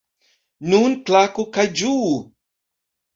Nun klaku kaj ĝuu!